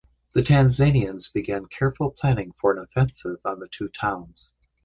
The Tanzanians began careful planning for an offensive on the two towns.